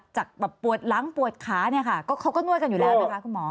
จากแบบปวดหลังปวดขาเนี่ยค่ะก็เขาก็นวดกันอยู่แล้วนะคะคุณหมอ